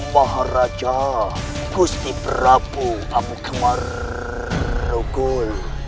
maharaja gusti prabu amukamarugul